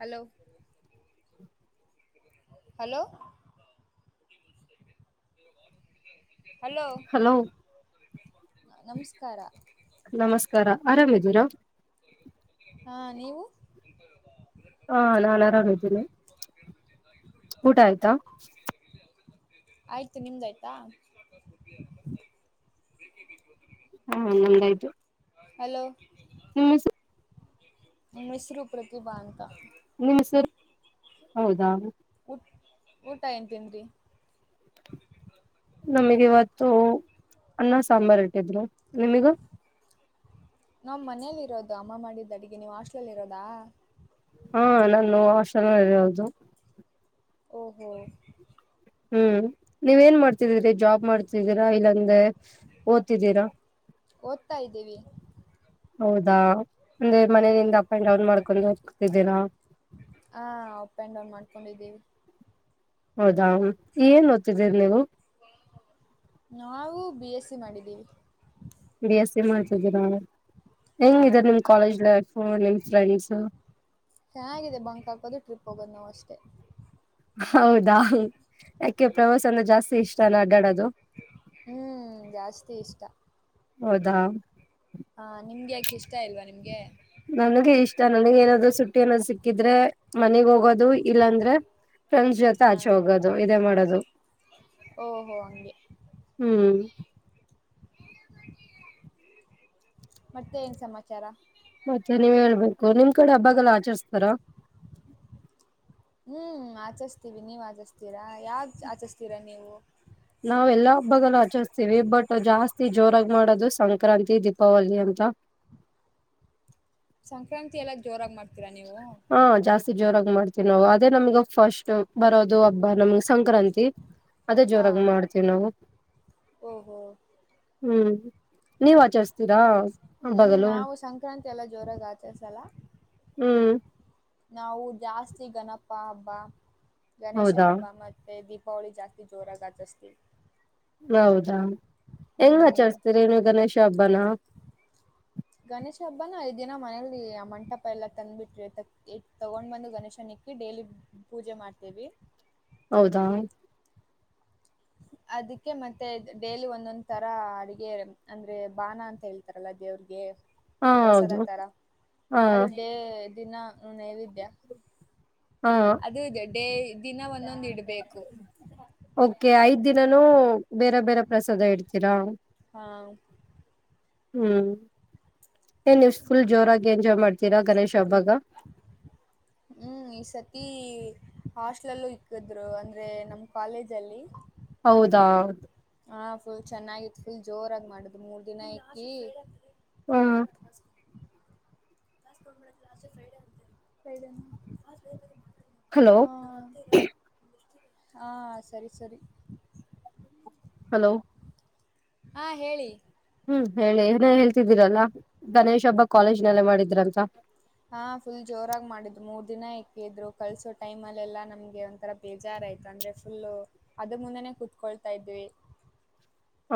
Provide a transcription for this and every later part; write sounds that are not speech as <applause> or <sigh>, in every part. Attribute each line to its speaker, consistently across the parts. Speaker 1: Hello hello hello ನಮಸ್ಕಾರ
Speaker 2: ನಮಸ್ಕಾರ ಆರಾಮಿದೀರಾ
Speaker 1: ಹಾ ನೀವು
Speaker 2: ಹಾ ನಾನ್ ಆರಾಮಿದ್ದೇನೆ ಊಟ ಆಯ್ತಾ
Speaker 1: ಆಯ್ತು ನಿಮ್ದಾಯ್ತಾ ಟ್ಟ <unintelligible>
Speaker 2: ಹ್ಮ ಹಾ ನಂದಾಯ್ತು
Speaker 1: ಹಲೋ
Speaker 2: ನಿಮ
Speaker 1: ಮಿಸ್ರ ಪ್ರತಿ ಬಾಧಕ
Speaker 2: ನಿಮ್ಮ ಸ ಹೌದಾ
Speaker 1: ಊಟ ಏಂತೀನ್ರಿ
Speaker 2: ನಮಗ್ ಇವತ್ತು ಅನ್ನ ಸಾಂಬಾರ್ ಇಟ್ಟಿದ್ರು ನಿಮಗ
Speaker 1: ನಾ ಮನಲಿ ಇರೋದು ಅಮ್ಮ ಮಾಡಿದ್ದ ಅಡಿಗೆ ನೀವು ಹಾಸ್ಟಲ್ಲಿ ಇರೋದಾ
Speaker 2: ಹಾ ನಾನು ಆಷ ಇದು
Speaker 1: ಓಹೋ
Speaker 2: ಹ್ಮ್ ನೀವ ಏನ್ ಮಾಡ್ತಿದೀರಿ ಜಾಬ್ ಮಾಡ್ತಿದ್ದೀರಾ ಇಲ್ಲಾಂದ ಓದ್ತಿದ್ದೀರಾ
Speaker 1: ಓದ್ತಾ ಇದ್ದೀವಿ
Speaker 2: ಹೌದಾ ಅಂದೆ
Speaker 1: ಹಾಂ
Speaker 2: ಮನೆಯಿಂದ ಅಪ್ ಅಂಡ್ ಡೌನ್ ಮಾಡ್ಕೊಂಡು ಹ ಸಿಕ್ತಿದ್ದೇರಾ
Speaker 1: ಹಾ ಅಪ್ ಆಂಡ್ ಡೌನ್ ಮಾಡ್ಕೊಂಡಿದ್ದೀವಿ
Speaker 2: ಹೌದಾ ಏನ್ ಓದತಿದ್ದೀರಿ ನೀವು
Speaker 1: ನಾವು ಬಿ ಎಸ್ಸಿ ಮಾಡಿದ್ದೀವಿ
Speaker 2: ಬಿ ಎಸ್ ಸಿ ಮಾಡ್ತಿದ್ದೀರಾ ಹೆಂಗ
Speaker 1: ಹಾಂ
Speaker 2: ನಿಮ್ ಕಾಲೇಜ್ ಲೈಫ್ ನಿಮ್ ಫ್ರೆಂಡ್ಸ್
Speaker 1: ಚೆನ್ನಾಗಿದೆ ಬಂಕ್ ಹಾಕೋದು ಟ್ರಿಪ್ ಹೋಗೋದು ನಾವು ಅಷ್ಟೇ
Speaker 2: ಹೌದಾ ಯಾಕೆ ಪ್ರವಾಸನ ಜಾಸ್ತಿ ಇಷ್ಟಲ್ಲ ಅಡ್ಡಾಡೋದು
Speaker 1: ಹ್ಮ್ ಜಾಸ್ತಿ ಇಷ್ಟ
Speaker 2: ಹೌದಾ
Speaker 1: ಹಾ ನಿಮ್ಗೆ ಯಾಕೆ ಇಷ್ಟ ಇಲ್ವಾ ನಿಮ್ಗೆ
Speaker 2: ನನ್ಗೆ ಇಷ್ಟ ನನಗ್ ಏನಾದ್ ಸುಟ್ಟಿ ಅನೋ ಸಿಕ್ಕಿದ್ರೆ ಮನಗ್ ಹೋಗೋದು ಇಲ್ಲಾಂದ್ರೆ ಫ್ರೆಂಡ್ಸ್ ಜೊತೆ ಆಚೆ
Speaker 1: ಹಾಂ
Speaker 2: ಹೋಗೋದು ಇದೇ ಮಾಡೋದು
Speaker 1: ಓಹೋ ಹಂಗೆ
Speaker 2: ಹ್ಮ್
Speaker 1: ಮತ್ತೆ ಏನ್ ಸಮಾಚಾರ
Speaker 2: ಮತ್ತೆ ನೀವ್ ಹೇಳ್ಬೇಕು ನಿಮ್ ಕಡೆ ಹಬ್ಬಾಗೆಲ್ಲಾ ಆಚರಿಸ್ತಾರಾ
Speaker 1: ಹ್ಮ್ ಆಚಸ್ವಿ ನೀವ್ ಆಚಿಸ್ತೀರಾ ಯಾವ ಆಚಿಸ್ತೀರಾ ನೀವು
Speaker 2: ನಾವ ಎಲ್ಲಾ ಹಬ್ಬಲ್ಲೂ ಆಚರಿಸ್ತೀವಿ ಬಟ್ ಜಾಸ್ತಿ ಜೋರಾಗಿ ಮಾಡೋದು ಸಂಕ್ರಾಂತಿ ದೀಪಾವಳಿ ಅಂತ
Speaker 1: ಸಂಕ್ರಾಂತಿ ಎಲ್ಲ ಜೋರಾಗಿ ಮಾಡ್ತೀರಾ ನೀವು
Speaker 2: ಹಾ ಜಾಸ್ತಿ ಜೋರಾಗಿ ಮಾಡ್ತೀವಿ ನಾವು ಅದೇ ನಮಗ ಫಸ್ಟ್ ಬರೋದು ಹಬ್ಬ ನಮ್ಗ್ ಸಂಕ್ರಾಂತಿ ಅದೇ
Speaker 1: ಹಾ
Speaker 2: ಜೋರಾಗಿ ಮಾಡ್ತೀವಿ ನಾವು
Speaker 1: ಓಹೋ
Speaker 2: ಹ್ಮ್ ನೀವ್ ಆಚರಿಸತೀರಾ
Speaker 1: ಹ್ಮ್ ನಾವು ಸಂಕ್ರಾಂತಿ ಎಲ್ಲ ಜೋರಾಗಿ ಆಚರಿಸಲ್ಲ
Speaker 2: ಹ್ಮ್
Speaker 1: ನಾವು ಜಾಸ್ತಿ ಗಣಪ ಹಬ್ಬ ಗಣೇಶ
Speaker 2: ಹೌದಾ
Speaker 1: ಹಬ್ಬ ಮತ್ತೆ ದೀಪ ಹೋಳಿ ಜಾಸ್ತಿ ಜೋರಾಗಸ್ತಿ
Speaker 2: ಹೌದಾ ಹೆಂಗ್
Speaker 1: ಹ್ಮ್
Speaker 2: ಆಚರಿಸಸ್ತೀರಿ ನೀನು ಗಣೇಶ ಹಬ್ಬನ
Speaker 1: ಗಣೇಶ ಹಬ್ಬನ ಐ ದಿನ ಮನೇಲಿ ಆ ಮಂಟಪ ಎಲ್ಲ ತಂದ್ಬಿಟ್ರೆ ಎ ತಗೊಂಡ್ ಬಂದು ಗಣೇಶನ ಡೈಲಿ ಪೂಜೆ ಮಾಡ್ತೇವಿ
Speaker 2: ಹೌದಾ
Speaker 1: ಅದಕ್ಕೆ ಮತ್ತೆ ಡೇಲಿ ಒಂದೊಂದ್ ತರ ಅಡಗೆ ಅಂದ್ರೆ ಬಾನ ಅಂತ ಹೇಳ್ತವಿ ಯಲ ದೇವ್ರಿಗೆ
Speaker 2: ಹಾ
Speaker 1: ಪ್ರಸಾದ
Speaker 2: ಹೌದು
Speaker 1: ತರ
Speaker 2: ಹಾ
Speaker 1: ಅದುಡ್ಡೇ ದಿನ ನೈವಿದ್ಯ
Speaker 2: ಹಾ
Speaker 1: ಅದು ಇದೆ ಡೇ ದಿನ ಒಂದೊಂದು ಇಡ್ಬೇಕು
Speaker 2: ಓಕೆ ಐದ್ ದಿನಾನೂ ಬೇರೆ ಬೇರೆ ಪ್ರಸಾದ ಇಡ್ತೀರಾ
Speaker 1: ಹಾ
Speaker 2: ಹ್ಮ್ ಏನ್ವ್ ಫುಲ್ ಜೋರಾಗಿ ಎಂಜಾಯ್ ಮಾಡ್ತೀರಾ ಗಣೇಶ್ ಹಬ್ಬಾಗ
Speaker 1: ಹ್ಮ್ ಈ ಸತಿ ಹಾಸ್ಟ ಇಕ್ಕಿದ್ರು ಅಂದ್ರೆ ನಮ್ ಕಾಲೇಜ ಅಲ್ಲಿ
Speaker 2: ಹೌದಾ
Speaker 1: ಹ ಫುಲ್ ಚೆನ್ನಾಗಿತ್ತು ಫುಲ್ ಜೋರಾಗಿ ಮಾಡುದು್ ಮೂರ್ ದಿನ ಇಕಿ
Speaker 2: ಹ್ಮ
Speaker 1: ಫ್ರೈಡೆ ಅಂತ ಫ್ರೈಡ
Speaker 2: ಹಲೋ
Speaker 1: ಹಾ ಸರಿ ಸರಿ
Speaker 2: ಹಲೋ
Speaker 1: ಹಾ ಹೇಳಿ
Speaker 2: ಹ್ಮ್ ಹೇಳಿ ಏನೇ ಹೇಳ್ತಿದ್ದೀರಲ್ಲಾ ಗಣೇಶ್ ಹಬ್ಬ ಕಾಲೇಜನಲ್ಲೇ ಮಾಡಿದ್ರಂತ
Speaker 1: ಹಾ ಫುಲ್ ಜೋರಾಗಿ ಮಾಡಿದ್ರು ಮೂರ್ ದಿನ ಎಕ್ಕಿದ್ರು ಕಲ್ಸೋ ಟೈಮ್ ಅಲ್ಲ ಎಲ್ಲ ನಮ್ಗೆ ಒಂಥರ ಬೇಜಾರಯ್ತ ಅಂದ್ರೆ ಫುಲ್ಲು ಅದು ಮುಂದೆೇ ಕುೂತ್ಕೊಳ್ತಾ ಇದ್ವಿ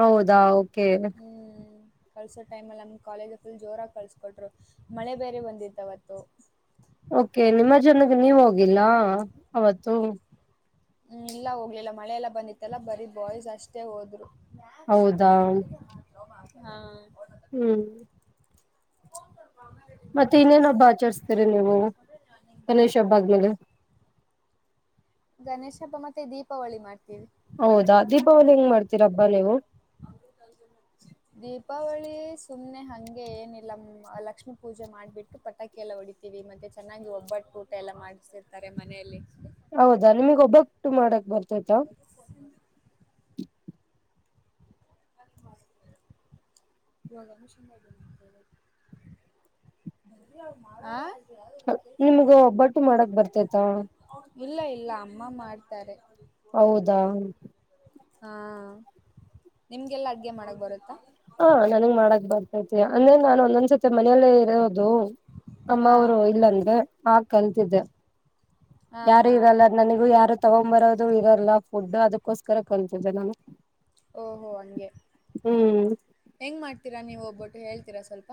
Speaker 2: ಹೌದಾ ಓಕೆ
Speaker 1: ಹ್ಮ್ ಕಳ್ಸೋ ಟೈಮಲ್ಲಿ ನಮ ಕಾಲೇಜು ಫುಲ್ ಜೋರಾಗಿ ಕಳಿಸಕೊಟ್ರು ಮಳೆ ಬೇರೆ ಬಂದಿರ್ತವತ್ತು
Speaker 2: ಓಕೆ ನಿಮ್ಮ ಜನಗೆ ನೀವ ಹೋಗಿಲ್ಲಾ ಅವತ್ತು
Speaker 1: ಹ್ಮ್ ಇಲ್ಲ ಹೋಗ್ಲಿಲ್ಲ ಮಳೆಲ್ಲಾ ಬಂದಿತ್ತಲ್ಲ ಬರೀ ಬಾಯ್ಸ್ ಅಷ್ಟೇ ಹೋದ್ರು
Speaker 2: ಹೌದಾ
Speaker 1: ಅ
Speaker 2: ಹ್ಮ್
Speaker 1: ಫೋನ್ ಕೊಡ್ಪಾ ಅ
Speaker 2: ಮತ್ತೆ ಇನ್ನೇನೊಬ್ಬ ಆಚರಿಸಸ್ತೀರಿ ನೀವು ಗಣೇಶ ಹಬ್ಬಾಗ ಮೇಲೆ
Speaker 1: ಗಣೇಶಬ ಮತ್ತೆ ದೀಪಾವಳಿ ಮಾಡ್ತೀವಿ
Speaker 2: ಹೌದಾ ದೀಪಾವಳಿ ಹೆಂಗ ಮಾಡ್ತೀರಬ್ಬಾ ನೀವು
Speaker 1: ಅದು ಕ <unintelligible> ದೀಪಾವಳಿ ಸುಮ್ನೆ ಹಂಗೆ ಏನಿಲ್ಲ ಲಕ್ಷ್ಮೀ ಪೂಜೆ ಮಾಡ್ಬಿಟ್ಟು ಪಟಾಕಿ ಎಲ್ಲ ಹೊಡಿತ ಮತ್ತೆ ಚೆನ್ನಾಗಿ ಒಬ್ಬಟ್ಟು ಊಟ ಎಲ್ಲ ಮಾಡ್ಸತಿರ್ತಾರೆ ಮನೆಯಲ್ಲಿ
Speaker 2: ಹೌದಾ ನಿಮಗ್ ಒಬ್ಬಕ್ಟ್ಟು ಮಾಡಕ್ ಬರ್ತೈತ
Speaker 1: <inaudible> ಯ ಮಷೀನ್ ಆ
Speaker 2: ನಿಮ್ಗ ಒಬ್ಬಟ್ಟು ಮಾಡಕ್ ಬರ್ತೈತ
Speaker 1: ಇಲ್ಲ ಇಲ್ಲ ಅಮ್ಮ ಮಾಡ್ತಾರೆ
Speaker 2: ಹೌದಾ
Speaker 1: ಹಾ ನಿಮ್ಗೆಲ್ಲ ಅಡ್ಗೆ ಮಾಡಕ್ ಬರುತ್ತಾ
Speaker 2: ಹಾ ನನ್ಗ್ ಮಾಡಕ್ ಬರ್ತೈತಿ ಅಂದ್ರೆ ನಾನನ್ ಒಂದೊಂದ್ಸತಿ ಮನೆಯಲ್ಲೇ ಇರೋದು ಅಮ್ಮ
Speaker 1: ಹಾ
Speaker 2: ಅವರು ಇಲ್ಲಂದ ಹಾ ಕಲ್ತಿದ್ದೆ
Speaker 1: ಹ ಹಾ
Speaker 2: ಯಾರು ಇರಲ್ಲ ನನಗೂ ಯಾರು ತಗೊೊಂಡ್ ಬರೋದು ಇರಲ್ಲ ಫುಡ್ ಅದಕ್ಕೋಸ್ಕರ ಕಲ್ತಿದೆ ನಾನು
Speaker 1: ಓಹೋ ಹಂಗೆ
Speaker 2: ಹ್ಮ್
Speaker 1: ಹೆಂಗಗೆ ಮಾಡ್ತೀರಾ ನೀವು ಒೋಗಬ್್ಬಿಟ್ಟು ಹೇಳ್ತೀರಾ ಸ್ವಲ್ಪ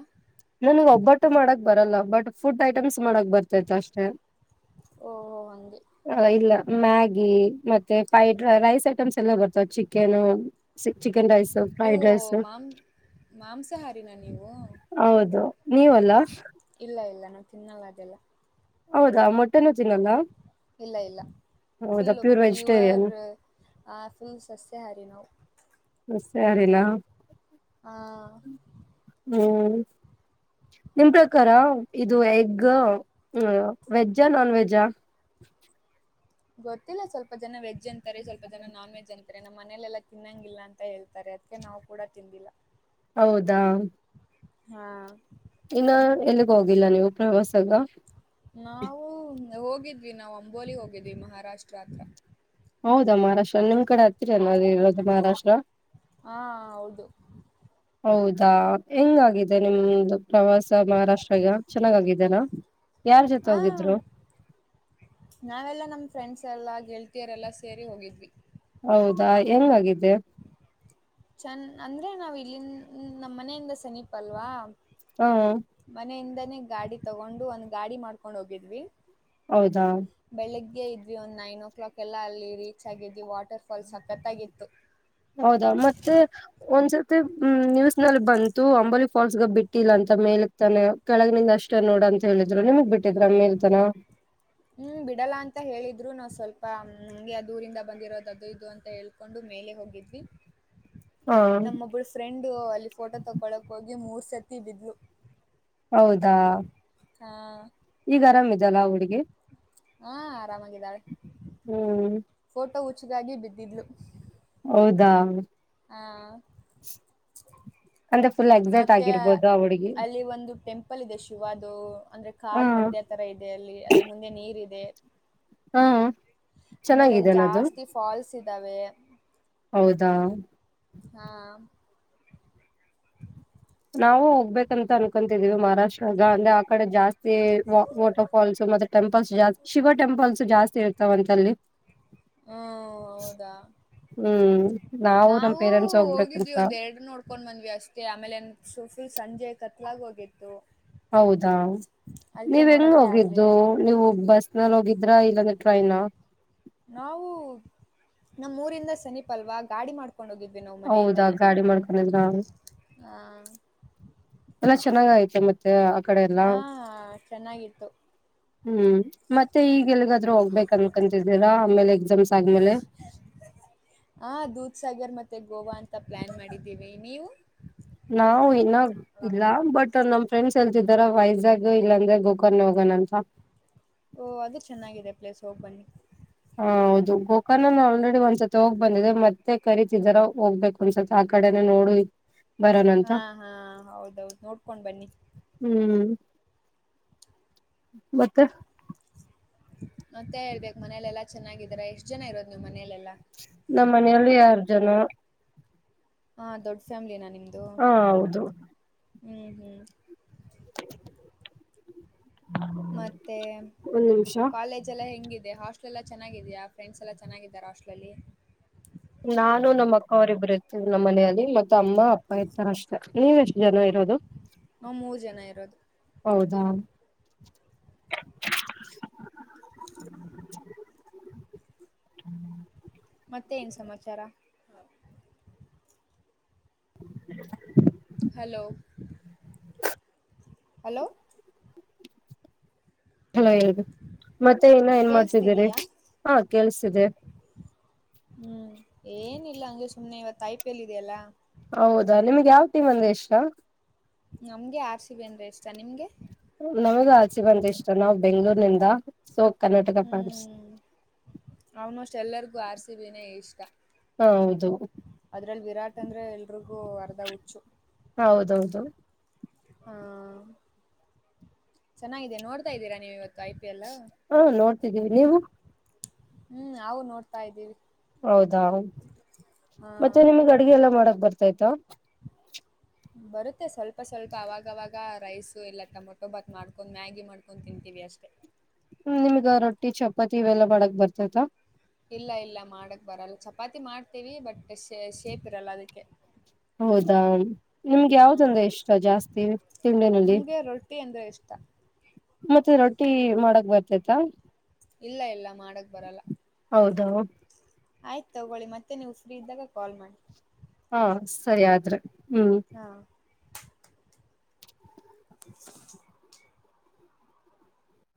Speaker 2: ನನ್ಗ್ ಒಬ್ಬಟ್ಟು ಮಾಡಕ್ ಬರಲ್ಲ ಬಟ್ ಫುಡ್ ಐಟಮ್ಸ್ ಮಾಡಕ್ ಬರ್ತತ ಅಷ್ಟೆ
Speaker 1: ಓಹೋ ಹಂಗೆ
Speaker 2: ಇಲ್ಲ ಮ್ಯಾಗಿ ಮತ್ತೆ ಫ್ರೈಡ್ ರೈಸ್ ಐಟಮ್ಸ್ ಎಲ್ಲ ಬರ್ತಾವ chicken chicken rice fried rice
Speaker 1: ಮಾಂಸಹಾರಿನ ನೀವು
Speaker 2: ಹೌದು ನೀವಲ್ಲಾ
Speaker 1: ಇಲ್ಲ ಇಲ್ಲ ನಾವು ತಿನ್ನಲ್ಲ ಅದೆಲ್ಲ
Speaker 2: ಹೌದಾ ಮೊಟ್ಟೆನ ದಿನಲ್ಲ
Speaker 1: ಇಲ್ಲ ಇಲ್ಲ ಫುಲ್ಲ
Speaker 2: ವೆಜಿಟೇರಿಯನ್
Speaker 1: ಪ್ಯೂರ್ ಫುಲ್ ಸಸ್ಯಾಹಾರಿ ನಾವು
Speaker 2: ಮ ಸಾರಿಲ್ಲ
Speaker 1: ಹಾ
Speaker 2: ಹ್ಮ್ ನಿಮ ಪ್ರಕಾರ ಇದು ಎಗ್ ವೆಜ್ ನಾನ್ ವೆಜ್
Speaker 1: ಗೊತ್ತಿಲ್ಲ ಸ್ವಲ್ಪ ಜನ ವೆಜ್ ಅಂತಾರೆ ಸ್ವಲ್ಪ ಜನ ನಾನ್ ವೆಜ್ ಅಂತಾರೆ ನಮ್ಮ್ ಮನಲೆೆಲ್ಲ ತಿನ್ನಂಗಿಲ್ಲ ಅಂತ ಹೇಳ್ತಾರೆ ಅ ್ಕ ನಾವು ಕೂಡ ತಿಿಂದಿಲ್ಲ
Speaker 2: ಹೌದಾ
Speaker 1: ಹಾ
Speaker 2: ಇನ್ನ ಎಲ್ಲಿಗ ಹೋಗಿಲ್ಲ ನೀವು ಪ್ರವಾಸಗ
Speaker 1: ನಾವು ಹೋಗಿದ್ವಿ ನಾವು ಅಂಬೋಲಿ ಹೋಗಿದ್ವಿ ಮಹಾರಾಷ್ಟ್ರ ಹತ್ರ
Speaker 2: ಹೌದಾ ಮಹಾರಾಷ್ಟ್ರ ನಿಮ್ ಕಡೆ ಹತ್ತೀರ ಅಲ್ಲ ಅದ ಇರದು ಮಹಾರಾಷ್ಟ್ರ
Speaker 1: ಹಾ ಹೌದು
Speaker 2: ಹೌದಾ ಹೆಂಗಾಗಿದೆ ನಿಮ್ದು ಪ್ರವಾಸ ಮಹಾರಾಷ್ಟ್ರಗ ಚೆನ್ನಾಗಗಿದನಾ
Speaker 1: ಹ ನಾವೆಲ್ಲಾ ನಮ್ಮ್ ಫ್ರೆಂಡ್ಸ್ ಎಲ್ಲಾ ಗೆಳತಿಯರೆಲ್ಲ ಸೇರಿ ಹೋಗಿದ್ವಿ
Speaker 2: ಹೌದಾ ಹೆಂಗಾಗಿದೆ
Speaker 1: ಚಂದ ಅಂದ್ರೆ ನಾವ್ ಇಲ್ಲಿಂದ ನಮ್ಮ್ ಮನೆಯಿಂದ ಸನೀಪಲ್ವಾ
Speaker 2: ಹ
Speaker 1: ಮನೆಯಿಂದಾನೇ ಗಾಡಿ ತಗೊಂಡು ಒಂದ್ ಗಾಡಿ ಮಾಡ್ಕೊಂಡ್ ಹೋಗಿದ್ವಿ
Speaker 2: ಹೌದಾ
Speaker 1: ಬೆಳಗ್ಗೆ ಇದ್ವಿ ಒಂದು ನೈನ್ ಓ ಕ್ಲಾಕ್ ಎಲ್ಲ ಅಲ್ಲಿ ರೀಚ್ ಆಗಿದ್ವಿ ವಾಟರ್ ಫಾಲ್ಸ್ ಸಕ್ಕತ್ತಾಗಿತ್ತು.
Speaker 2: ಹೌದಾ ಮತ್ತೆ ಒಂದ್ಸತಿ ನ್ಯೂಸ್ನಲ್ಲಿ ಬಂತ. ಇತ್ತು ಅಂಬಲಿ ಫಾಲ್ಸ್ಗಾಗ ಬಿಟ್ಟಿಲ್ಲ ಅಂತ ಮೇಲಗ ತಾನ ಕೆಳಗಿನಿಂದ ಅಷ್ಟೇ ನೋಡ ಅಂತ ಹೇಳಿದ್ರು ನಿಮಗ್ ಬಿಟ್ಟ ಬಿಟ್ಟಿದ್ರಾ ಮೇಲ್ ತಾನ.
Speaker 1: ಹ್ಮ್ ಬಿಡಲ್ಲ ಅಂತ ಹೇಳಿದ್ರು ನಾವು ಸ್ವಲ್ಪ ಹಂಗೆ ಆ ದೂರಿಂದ ಬಂದಿರೋದು ಅದು ಇದು ಅಂತ ಹೇಳ. ಒಂದು ಮೇಲೆ ಹೋಗಿದ್ವಿ.
Speaker 2: <inaudible>
Speaker 1: ನಮ್ಮ ಒಬ್ಬಳ ಫ್ರೆಂಡು ಅಲ್ಲಿ ಫೋಟೋ ತಕ್ಕೊಳಿಕೆ ಹೋಗಿ ಮೂರ್ ಸರ್ತಿ ಬಿದ್ಲು.
Speaker 2: ಹೌದಾ
Speaker 1: ಹಾ
Speaker 2: ಈಗ ಆರಾಮ್ ಇದಲ್ಲಾ ಹುಡ್ಗಿ.
Speaker 1: ಹಾ ಆರಾಮಾಗಿದ್ದಾಳೆ
Speaker 2: ಹ್ಮ್
Speaker 1: ಫೋಟೋ ಹುಚ್ಚಗಾಗಿ ಬಿದ್ದಿದ್ಲು.
Speaker 2: ಹೌದಾ
Speaker 1: ಹಾ
Speaker 2: ಅಂದ್ರೆ ಫುಲ್ ಎಕ್ಸೈಟ್
Speaker 1: ಮತ್ತೆ
Speaker 2: ಆಗಿರ್ಬೋದು ಆ ಹುಡ್ಗಿ
Speaker 1: ಅಲ್ಲಿ ಒಂದು ಟೆಂಪ ಟೆಂಪಲ್ ಇದೆ ಶಿವದು ಅಂದ್ರೆ
Speaker 2: ಹ
Speaker 1: ಕಾಡ್ ಮಧ್ಯ ತರ ಇದೆ ಅಲ್ಲಿ ಅದ್ರ ಮುಂದೆ ನೀರ್ ಇದೆ.
Speaker 2: ಹ
Speaker 1: ಆಮೇಲೆ ಅಲ್ಲಿ
Speaker 2: ಚೆನ್ನಾಗಿದೇನದು
Speaker 1: ಜಾಸ್ತಿ ಫಾಲ್ಸ್ ಇದ್ದಾವೆ.
Speaker 2: ಹೌದಾ
Speaker 1: ಹಾ
Speaker 2: ನಾವು ಹೋಗ್ಬೇಕಂತ ಅನ್ಕೊತಿದೀವಿ ಮಹಾರಾಷ್ಟ್ರಗ ಅಂದ್ರೆ ಆ ಕಡೆ ಜಾಸ್ತಿ ವಾಟರ್ ಫಾಲ್ಸ್ ಮತ್ ಟೆಂಪಲ್ಸ್ ಜಾಸ್ತಿ ಶಿವ ಟೆಂಪಲ್ಸ್ ಜಾಸ್ತಿ ಇರ್ತಾವಂತಲ್ಲಿ.
Speaker 1: ಹ್ಮ ಹೌದಾ
Speaker 2: ಹ್ಮ್ ನಮ್
Speaker 1: ನಾವು
Speaker 2: ಪೇರೆಂಟ್ಸ್
Speaker 1: ಹೋಗಿದ್ವಿ
Speaker 2: ಹೋಗ್ಬೇಕಂತ
Speaker 1: ಒಂದೇ ಎರಡು ನೋಡ್ಕೊಂಡ್ ಬಂದ್ವಿ ಅಷ್ಟೇ ಆಮೇಲೆ ಸೊ ಫುಲ್ ಸಂಜೆ ಕತ್ಲಾಗಿ ಹೋಗಿತ್ತು.
Speaker 2: ಹೌದಾ
Speaker 1: ಅದಕ್ಕೆ
Speaker 2: ನೀವ ಹೆಂಗ
Speaker 1: ನೋಡೋಕ್ಕೆ
Speaker 2: ಹೋಗಿದ್ದು.
Speaker 1: ಆಗ್ಲಿಲ್ಲ
Speaker 2: ನೀವು ಬಸ್ ನಲ್ಲಿ ಹೋಗಿದ್ರಾ ಇಲ್ಲಾಂದ್ರೆ ಟ್ರೈನ್.
Speaker 1: ನಾವು ನಮ್ಮುರಿಂದ ಸನಿಪ ಅಲ್ವ ಗಾಡಿ ಮಾಡ್ ಕೊಂಡ ಹೋಗಿದ್ವಿ ನಾವು
Speaker 2: ಹೌದಾ
Speaker 1: ಮನೆಯಿಂದಾನೇ
Speaker 2: ಗಾಡಿ ಮಾಡ್ಕೊಂಡಿದ್ರ
Speaker 1: ಹ.
Speaker 2: ಎಲ್ಲಾ ಚೆನ್ನಾಗ ಆಯ್ತು ಮತ್ತ.
Speaker 1: ಹ ಚೆನ್ನಾಗಿತ್ತು.
Speaker 2: ಹ್ಮ್ ಮತ್ತೆ ಈಗ ಎಲ್ಗಾದ್ರೂ ಹೋಗ್ಬೇಕ ಅನ್ಕಂತಿದ್ದೀರಾ ಆಮೇಲೆ ಎಕ್ಸಾಮ್ಸ್ ಆದ್ಮೇಲೆ.
Speaker 1: ಹ ದೂದ ಸಾಗರ್ ಮತ್ತೆ ಗೋವಾ ಅಂತ ಪ್ಲಾನ್ ಮಾಡಿದ್ದೀವಿ ನೀವು.
Speaker 2: ನಾವು ಇನ್ನ ಇಲ್ಲ ಬಟ್ ನಮ್ ಫ್ರೆಂಡ್ಸ್ ಎಲ್ತಿದಾರ ವೈಜಾಗ್ ಇಲ್ಲಾಂದ್ರೆ ಗೋಕರ್ನ ಹೋಗೋಣ ಅಂತ.
Speaker 1: ಓಹ ಅದು ಚೆನ್ನಾಗಿದೆ ಪ್ಲೇಸ್ ಹೋಗ್ ಬನ್ನಿ.
Speaker 2: ಹ ಹೌದು ಗೋಕರ್ರಣನ ಆಲ್ರೆಡಿ ಒಂದ್ಸತಿ ಹೋಗ್ ಬಂದಿದೆ ಮತ್ತೆ ಕರಿತಿದರ ಹೋಗ್ಬೇಕು. ಒಂದ್ ಸ್ವಲ್ಪ ಆ ಕಡೆನ ನೋಡು ಬರೋಣ ಅಂತ
Speaker 1: ಹಾ ಹಾ ಹೌದೌದು ನೋಡ್ಕೊಂಡ್ ಬನ್ನಿ.
Speaker 2: ಹ್ಮ್ ಮತ್ತೆ.
Speaker 1: ಮತ್ತೆ ಹೇಳ್ಬೇಕ್ ಮನೇಲೆೆಲ್ಲಾ ಚೆನ್ನಾಗಿದರ ಎಷ್ಟ್ ಜನ ಇರೋದು ನಿಮ್ ಮನೆಲೆೆಲ್ಲಾ.
Speaker 2: ನಮ್ಮ ಮನೆಯಲ್ಲಿ ಆರ್ ಜನ.
Speaker 1: ಹಾ ದೊಡ್ ಫ್ಯಾಮಿಲಿನ ನಿಮ್ದು.
Speaker 2: ಹ ಹೌದು
Speaker 1: ಹ್ಮ್ ಹ್ಮ್ ಮತ್ತೆ
Speaker 2: ಒಂದ್ ನಿಮಿಷ
Speaker 1: ಕಾಲೇಜ್ ಲೆಲ್ಲ ಹೆಂಗಿದೆ ಹಾಸ್ಟಲ್ಲ ಚನ್ನಾಗಿದೆಯ ಫ್ರೆಂಡ್ಸ್ ಎಲ್ಲ ಚೆಗಿದಿದ್ದಾರ ಹಾಸ್ಟೆಲ್ ಅಲ್ಲಿ.
Speaker 2: ನಾನು ನಮ್ಮ ಅಕ್ಕವರಿಬ್ಬರು ಇರ್ತೀಿ ನಮ್ಮ ಮನೆಯಲ್ಲಿ. ಮತ್ತ ಅಮ್ಮ ಅಪ್ಪ ಇರ್ತಾರ ಅಷ್ಟೆ ನೀವೆ ಎಷ್ಟು ಜನ ಇರೋದು.
Speaker 1: ನಾವು ಮೂರು ಜನ ಇರೋದು
Speaker 2: ಹೌದಾ
Speaker 1: ಮತ್ತೆ ಏನ್ ಸಮಾಚಾರ
Speaker 2: <inaudible>
Speaker 1: ಹಲೋ <inaudible> ಹಲೋ
Speaker 2: ಹಾ ಹೇಳ್ರಿ ಮತ್ತೆ ಇನ್ನ ಏನ್ ಮಾಡ್ತಿದ್ದೀರಿ
Speaker 1: ಕೇಳಿಸ್ತಿದೀಯಾ
Speaker 2: ಹಾ ಕೇಳಸ್ತಿದೆ.
Speaker 1: ಹ್ಮ್ ಏನಿಲ್ಲ ಹಂಗೆ ಸುಮ್ನೆ ಇವತ್ ಐಪಿಎಲ್ ಇದೆಯಲ್ಲಾ.
Speaker 2: ಹೌದಾ ನಿಮ್ಗೆ ಯಾವ ಟೀಮ ಅಂದ್ರೆ ಇಷ್ಟಾ
Speaker 1: ನಮ್ಗೆ ಆರ್ ಸಿ ಬಿ ಅಂದ್ರೆ ಇಷ್ಟ ನಿಮ್ಗೆ.
Speaker 2: ನಮಗ ಆಚೆ ಬಂದ ಇಷ್ಟ ನಾವ್ ಬೆಂಗ್ಗಳೂರ್ನಿಂದ ಸೊ ಕರ್ನಾಟಕ ಫಾನ್ಸ್
Speaker 1: ಹ್ಮ್ ಆಲ್ಮೋಸ್ಟ್ ಎಲ್ಲರಿಗೂ ಆರ್ ಸಿಬಿನೇ ಇಷ್ಟ.
Speaker 2: ಹೌದು.
Speaker 1: ಅದ್ರಲ್ಲಿ ವಿರಾಟ್ ಅಂದ್ರೆ ಎಲ್ರಿಗೂ ಅರ್ಧ ಹುಚ್ಚು <inaudible>
Speaker 2: ಹೌದೌದು
Speaker 1: ಹಾ <inaudible> ಚೆನ್ನಾಗಿದೆ ನೋಡ್ತಾ ಇದ್ದೀರಾ ನೀವು ಇವತ್ತು ಐ ಪಿ ಎಲ್.
Speaker 2: ಹಾ ನೋಡ್ತಿದ್ದೀವಿ ನೀವು.
Speaker 1: ನಾವು ನೋಡ್ತಾ ಇದ್ದೀವಿ.
Speaker 2: ಹೌದಾ
Speaker 1: ಹಾ
Speaker 2: ಮತ್ತೆ ನಿಮಗ್ ಅಡ್ಗೆ ಎಲ್ಲ ಮಾಡಕ್ ಬರ್ತಾಯ್ತಾ.
Speaker 1: ಬರುತ್ತೆ ಸ್ವಲ್ಪ ಸ್ವಲ್ಪ ಅವಾಗವಾಗ ರೈಸು ಎಲ್ಲ ಟಮೊಟೊ ಭಾತ್ ಮಾಡ್ಕೊಂಡ್ ಮ್ಯಾಗಿ ಮಾಡ್ಕೊಂಡ ತಿಂತೀವಿ ಅಷ್ಟ್.
Speaker 2: ನಿಮ್ಗ ರೊಟ್ಟಿ ಚಪಾತಿ ಇವೆಲ್ಲಾ ಮಾಡಕ್ ಬರ್ತೈತ.
Speaker 1: ಇಲ್ಲ ಇಲ್ಲ ಮಾಡಕ್ ಬರಲ್ಲ ಚಪಾತಿ ಮಾಡ್ತೀವಿ ಬಟ್ ಶೆ ಶೇಪ್ ಇರಲ್ಲ ಅದಕ್ಕೆ...
Speaker 2: ಹೌದಾ ನಿಮ್ಗೆ ಯಾವ್ದಂದ್ರ
Speaker 1: ಹ್ಮ್
Speaker 2: ಇಷ್ಟ ಜಾಸ್ತಿ ತಿಂಡಿನಲ್ಲಿ.
Speaker 1: ಟಿ ಅಂದ್ರೆ ಇಷ್ಟಾ
Speaker 2: ಮತ್ತೆ ರೊಟ್ಟಿ ಮಾಡಕ್ ಬರ್ತತಾ
Speaker 1: ಇಲ್ಲ ಇಲ್ಲ ಮಾಡಕ್ ಬರಲ್ಲ
Speaker 2: ಹೌದಾ
Speaker 1: ಆಯ್ತು ತಗೊಳ್ಳಿ ಮತ್ತೆ ನೀವು ಫ್ರೀ ಇದ್ದಾಗ ಕಾಲ್ ಮಾಡಿ.
Speaker 2: ಹಾ ಸರಿ ಆದ್ರೆ ಹ್ಮ್
Speaker 1: ಹಾ <inaudible>